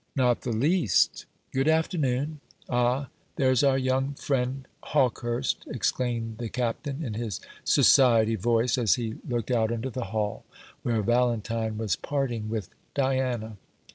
"Not the least. Good afternoon. Ah, there's our young friend Hawkehurst!" exclaimed the Captain, in his "society" voice, as he looked out into the hall, where Valentine was parting with Diana.